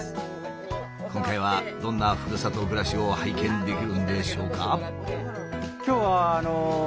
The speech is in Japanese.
今回はどんなふるさと暮らしを拝見できるんでしょうか？